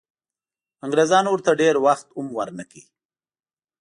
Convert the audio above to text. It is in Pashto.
انګریزانو ورته ډېر وخت هم ورنه کړ.